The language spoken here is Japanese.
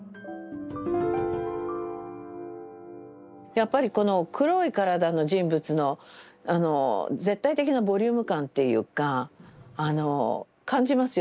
やっぱりこの黒い体の人物のあの絶対的なボリューム感っていうかあの感じますよね。